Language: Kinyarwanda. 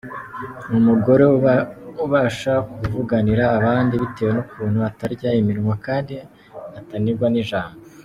Ni umugore ubasha kuvuganira abandi bitewe n’ukuntu atarya iminwa kandi ataniganwa ijambo.